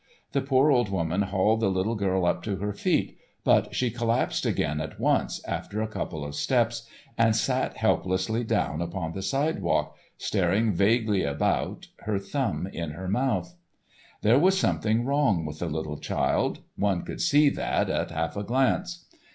The poor old woman hauled the little girl up to her feet, but she collapsed again at once after a couple of steps and sat helplessly down upon the sidewalk, staring vaguely about, her thumb in her mouth. There was something wrong with the little child—one could see that at half a glance.